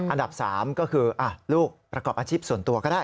อันดับ๓ก็คือลูกประกอบอาชีพส่วนตัวก็ได้